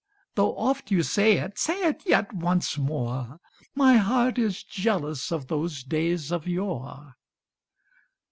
Though oft you say it say it yet once more; My heart is jealous of those days of yore.